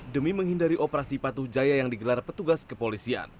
demi menghindari operasi patuh jaya yang digelar petugas kepolisian